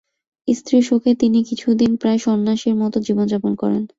স্ত্রীর শোকে তিনি কিছুদিন প্রায় সন্ন্যাসীর মতো জীবনযাপন করেন।